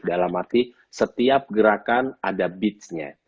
dalam arti setiap gerakan ada beatsnya